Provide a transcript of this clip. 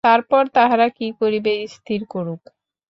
তারপর তাহারা কি করিবে, স্থির করুক।